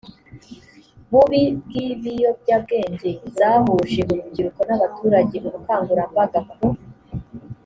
bubi bw ibiyobyabwenge zahuje urubyiruko n abaturage ubukangurambaga ku